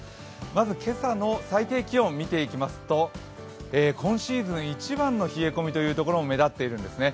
まず今朝の最低気温を見ていきますと今シーズン一番の冷え込みの所も目立っているんですね。